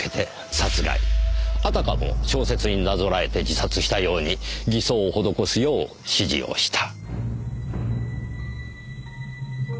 あたかも小説になぞらえて自殺したように偽装を施すよう指示をした。